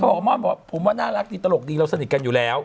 เขาเรียกบอกผมว่าน่ารักดีตลกดีเราสนิทกันอยู่แล้ว